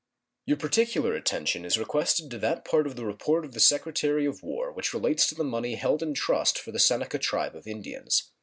Your particular attention is requested to that part of the report of the Secretary of War which relates to the money held in trust for the Seneca tribe of Indians.